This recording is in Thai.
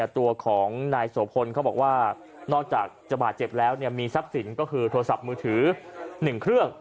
ตัวของนายโสพลเขาบอกว่านอกจากจะบาดเจ็บแล้วมีทรัพย์สินก็คือโทรศัพท์มือถือ๑เครื่อง